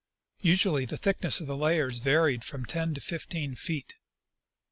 Usually the thickness of the layers varied from ten to fifteen feet.